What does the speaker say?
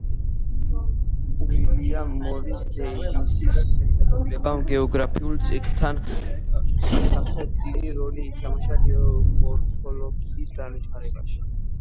უილიამ მორის დეივისის შეხედულებამ გეოგრაფიულ ციკლთა შესახებ დიდი როლი ითამაშა გეომორფოლოგიის განვითარებაში.